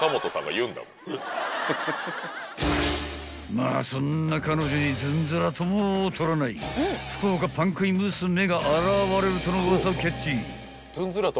［まあそんな彼女にずんずらとも劣らない福岡パン食い娘が現われるとのウワサをキャッチ］